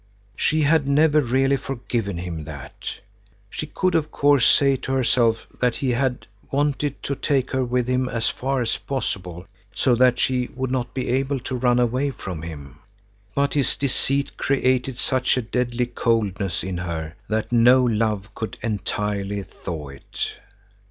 She had never really forgiven him that. She could of course say to herself that he had wanted to take her with him as far as possible so that she would not be able to run away from him, but his deceit created such a deadly coldness in her that no love could entirely thaw it.